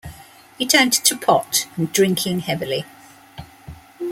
He turned to pot and drinking heavily.